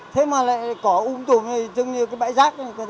thế mà lại cỏ ung tùm dừng như cái bãi rác